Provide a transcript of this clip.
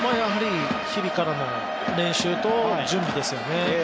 日々からの練習と準備ですよね。